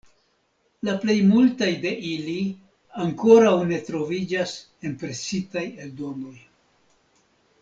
La plej multaj de ili ankoraŭ ne troviĝas en presitaj eldonoj.